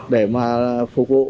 để mà phục vụ